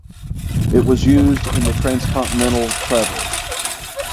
It was used in the Transcontinental Traverse.